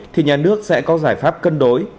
thì nhà nước sẽ có giải pháp cân đối